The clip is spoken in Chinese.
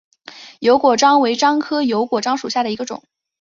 油果樟为樟科油果樟属下的一个种。